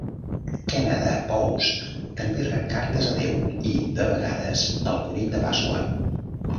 Canada Post també rep cartes a Déu i, de vegades, al Conill de Pasqua.